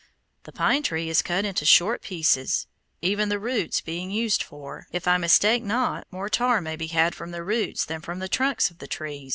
The pine tree is cut into short pieces, even the roots being used, for, if I mistake not, more tar may be had from the roots than from the trunks of the tree.